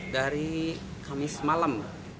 dari kamis malam